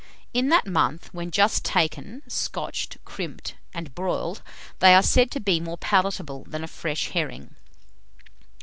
In that month, when just taken, scotched (crimped), and broiled, they are said to be more palatable than a fresh herring.